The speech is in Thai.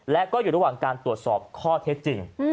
และก็อยู่ระหว่างการตรวจสอบข้อเท็จจริง